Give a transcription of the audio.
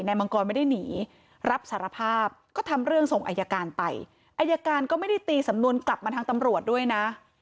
มังกรไม่ได้หนีรับสารภาพก็ทำเรื่องส่งอายการไปอายการก็ไม่ได้ตีสำนวนกลับมาทางตำรวจด้วยนะ